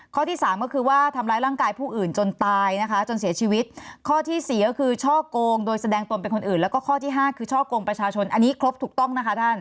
ที่สามก็คือว่าทำร้ายร่างกายผู้อื่นจนตายนะคะจนเสียชีวิตข้อที่สี่ก็คือช่อกงโดยแสดงตนเป็นคนอื่นแล้วก็ข้อที่ห้าคือช่อกงประชาชนอันนี้ครบถูกต้องนะคะท่าน